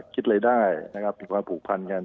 คิดอะไรได้นะครับเป็นความผูกพันกัน